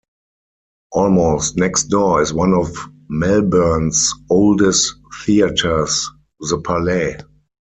Almost next door is one of Melbourne's oldest theatres, The Palais.